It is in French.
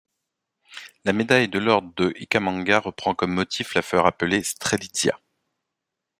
La médaille de l'Ordre de Ikhamanga reprend comme motif la fleur appelée Strelitzia.